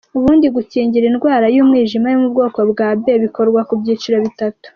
Ubundi gukingira indwara y’umwijima yo mu bwoko bwa B bikorwa mu byiciro bitatu.